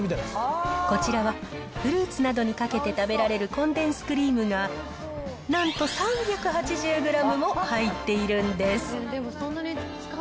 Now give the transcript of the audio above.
こちらはフルーツなどにかけて食べられるコンデンスクリームが、なんと３８０グラムも入っているんです。